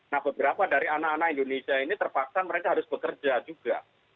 nah beberapa dari anak anak indonesia ini terpaksa mereka harus bekerja juga